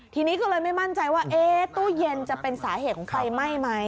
ทีนี้ก็เลยไม่มั่นใจว่าตู้เย็นจะเป็นสาเหตุของไฟไหม้ไหม